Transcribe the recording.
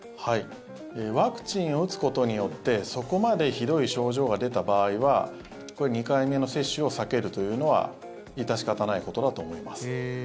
ワクチンを打つことによってそこまでひどい症状が出た場合は２回目の接種を避けるというのは致し方ないことだと思います。